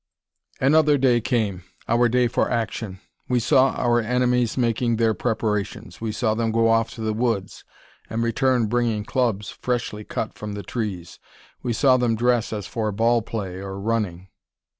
Another day came: our day for action. We saw our enemies making their preparations; we saw them go off to the woods, and return bringing clubs freshly cut from the trees; we saw them dress as for ball play or running.